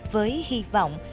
với hy vọng